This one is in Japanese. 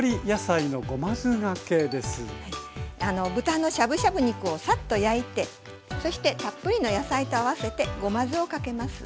豚のしゃぶしゃぶ肉をサッと焼いてそしてたっぷりの野菜と合わせてごま酢をかけます。